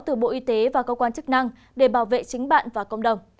từ bộ y tế và cơ quan chức năng để bảo vệ chính bạn và cộng đồng